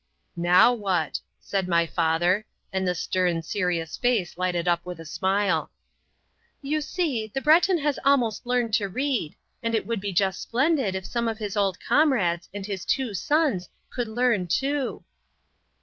"Now, what?" said my father and the stern, serious face lighted up with a smile. "You see, the Breton has almost learned to read, and it would be just splendid if some of his old comrades and his two sons could learn too."